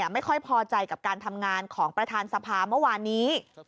ไม่ค่อยพอใจกับการทำงานของประธานสภาเมื่อวานนี้